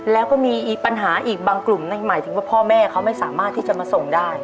แล้วก็มีปัญหาอีกบางกลุ่มหมายถึงว่าพ่อแม่เขาไม่สามารถที่จะมาส่งได้